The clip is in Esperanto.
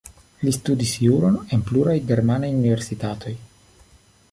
Li studis juron en pluraj germanaj universitatoj.